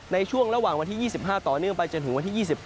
ในช่วงระหว่างวันที่๒๕ต่อเนื่องไปจนถึงวันที่๒๙